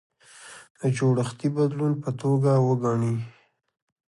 د جوړښتي بدلون په توګه وګڼي.